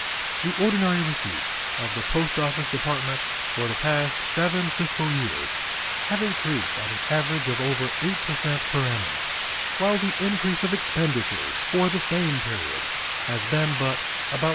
The ordinary receipts of the Post Office Department for the past seven fiscal years have increased at an average of over 8 per cent per annum, while the increase of expenditures for the same period has been but about 5.